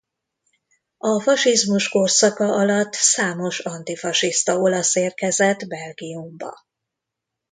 A fasizmus korszaka alatt számos antifasiszta olasz érkezett Belgiumba.